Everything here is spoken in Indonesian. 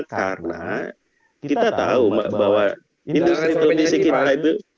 karena kita tahu mbak bahwa industri televisi kita itu